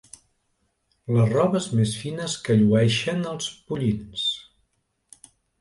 Les robes més fines que llueixen els pollins.